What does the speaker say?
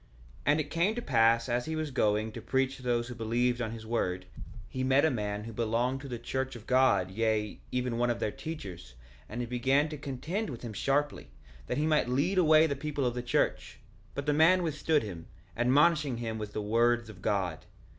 1:7 And it came to pass as he was going, to preach to those who believed on his word, he met a man who belonged to the church of God, yea, even one of their teachers; and he began to contend with him sharply, that he might lead away the people of the church; but the man withstood him, admonishing him with the words of God.